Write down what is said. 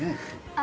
あ。